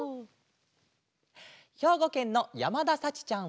ひょうごけんのやまださちちゃん３さいから。